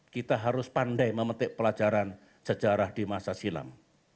kita harus pandai memetik pelajaran sejarah di masa silam